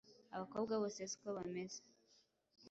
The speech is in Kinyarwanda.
Abakobwa bose siko bameze.